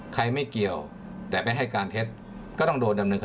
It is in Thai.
ไม่เกี่ยวแต่ไม่ให้การเท็จก็ต้องโดนดำเนินคดี